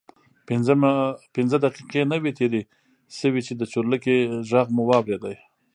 پنځه دقیقې نه وې تېرې شوې چې د چورلکې غږ مو واورېد.